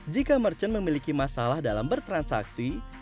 jika merchant memiliki masalah dalam bertransaksi